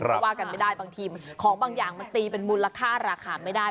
ก็ว่ากันไม่ได้บางทีของบางอย่างมันตีเป็นมูลค่าราคาไม่ได้